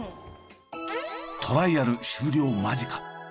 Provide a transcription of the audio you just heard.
トライアル終了間近。